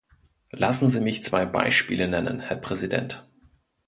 Lassen Sie mich zwei Beispiele nennen, Herr Präsident.